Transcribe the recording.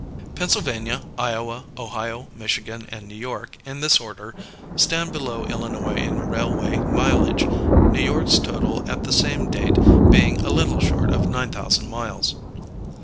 Pennsylvania, Iowa, Ohio, Michigan, and New York, in this order, stand below Illinois in railway mileage, New York's total at the same date being a little short of nine thousand miles.